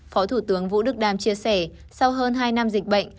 phó thủ tướng vũ đức đam chia sẻ sau hơn hai năm dịch bệnh